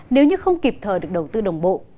nếu như không kịp thời được đầu tư đồng bộ